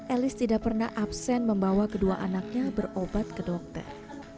elis tidak pernah absen membawa kedua anaknya berobat ke dokter